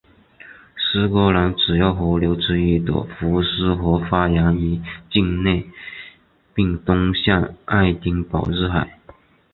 苏格兰主要河流之一的福斯河发源于境内并东向爱丁堡入海。